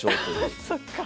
ああそっか。